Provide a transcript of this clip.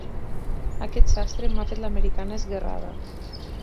Aquest sastre m'ha fet l'americana esguerrada.